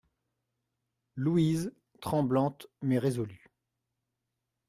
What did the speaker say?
LOUISE, tremblante, mais résolue.